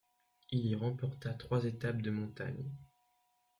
Il y remporta trois étapes de montagne.